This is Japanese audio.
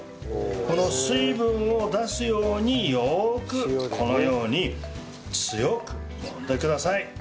この水分を出すようによくこのように強くもんでください。